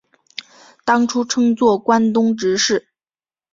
当初称作关东执事。